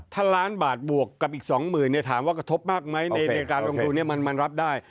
ถ้าล้านบาทบวกกับอีก๒๐๐๐ถามว่ากระทบมากไหมในการลงทุนมันรับได้